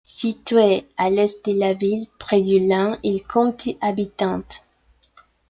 Situé à l'est de la ville, près du Lahn, il compte habitants.